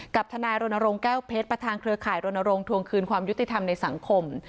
ทนายรณรงค์แก้วเพชรประธานเครือข่ายรณรงควงคืนความยุติธรรมในสังคม